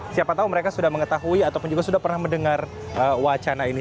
siapa tahu mereka sudah mengetahui ataupun juga sudah pernah mendengar wacana ini